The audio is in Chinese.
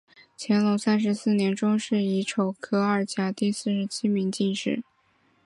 乾隆三十四年中式己丑科二甲第四十七名进士。